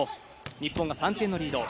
日本が３点のリード。